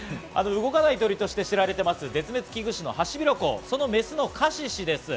動かない鳥として知られている絶滅危惧種のハシビロコウのメス、カシシです。